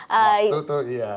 waktu tuh iya